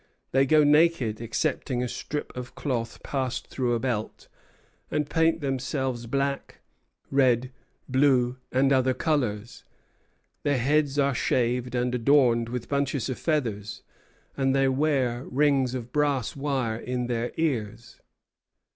They go naked, excepting a strip of cloth passed through a belt, and paint themselves black, red, blue, and other colors. Their heads are shaved and adorned with bunches of feathers, and they wear rings of brass wire in their ears.